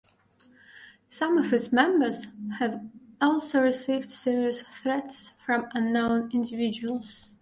Some of its members have also received serious threats from unknown individuals.